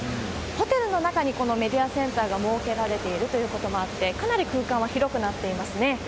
ホテルの中にこのメディアセンターが設けられているということもあって、かなり空間は広くなっていますね。